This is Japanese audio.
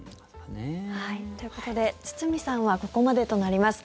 ということで堤さんはここまでとなります。